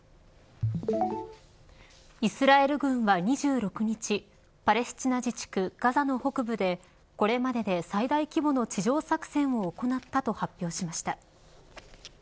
イスラエル軍は２６日パレスチナ自治区ガザの北部でこれまでで最大規模の地上作戦を行ったと発表しました。